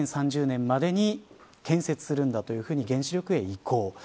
２０３０年までに建設するんだと原子力へ移行。